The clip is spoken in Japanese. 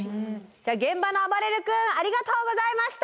現場のあばれる君ありがとうございました！